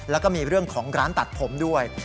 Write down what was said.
แล้วก็มีเรื่องของร้านตัดผมด้วย